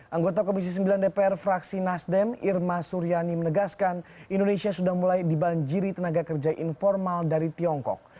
anggota komisi sembilan dpr fraksi nasdem irma suryani menegaskan indonesia sudah mulai dibanjiri tenaga kerja informal dari tiongkok